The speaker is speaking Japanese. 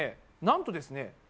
なんとですねえ！